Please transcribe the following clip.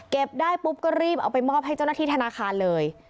ได้ปุ๊บก็รีบเอาไปมอบให้เจ้าหน้าที่ธนาคารเลย